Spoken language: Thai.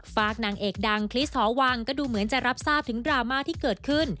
ฝากนางเอกดังคริสหอวังก็ดูเหมือนจะรับทราบถึงดราม่าที่เกิดขึ้น